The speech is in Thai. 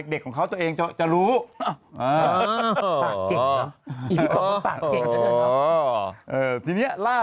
เด็กของเขาตัวเองจะจะรู้อ๋ออ๋ออ๋ออ๋อทีเนี้ยล่า